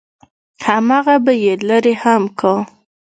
همغه به يې لرې هم کا.